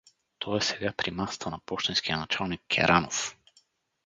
Той е сега при масата на пощенския началник Керанов.